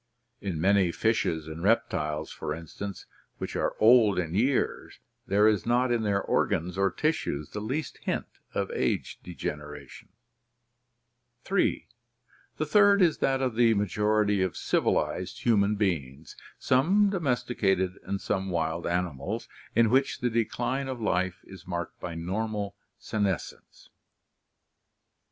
In many fishes and reptiles, for instance, which are old in years, there is not in their organs or tissues the least hint of age degenera THE LIFE CYCLE 211 tion. (3) The third is that of the majority of civilized human beings, some domesticated and some wild animals, in which the decline of life is marked by normal setiescence.